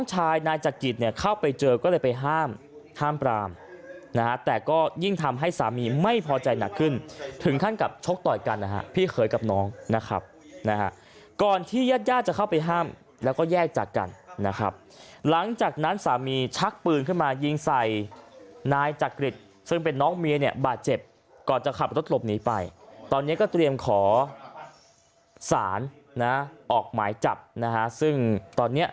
นายจักริตเนี่ยเข้าไปเจอก็เลยไปห้ามห้ามปรามนะฮะแต่ก็ยิ่งทำให้สามีไม่พอใจหนักขึ้นถึงขั้นกับชกต่อยกันนะฮะพี่เขยกับน้องนะครับนะฮะก่อนที่ญาติญาติจะเข้าไปห้ามแล้วก็แยกจากกันนะครับหลังจากนั้นสามีชักปืนขึ้นมายิงใส่นายจักริตซึ่งเป็นน้องเมียเนี่ยบาดเจ็บก่อนจะขับรถหลบหนีไปตอนนี้ก็เตรียมขอสารนะออกหมายจับนะฮะซึ่งตอนเนี้ย